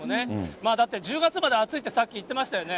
まあだって、１０月まで暑いってさっき言ってましたよね。